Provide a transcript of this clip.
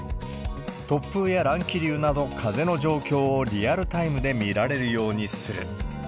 突風や乱気流など、風の状況をリアルタイムで見られるようにする。